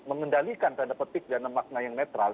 mengendalikan tanda petik dan makna yang netral